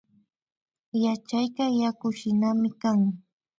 Yachayka yakushinami kan